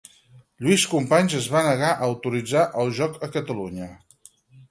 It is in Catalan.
Lluís Companys es va negar a autoritzar el joc a Catalunya.